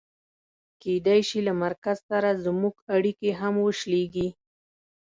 کېدای شي له مرکز سره زموږ اړیکې هم وشلېږي.